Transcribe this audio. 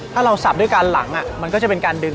ถ้าเราสับด้วยการหลังมันก็จะเป็นการดึง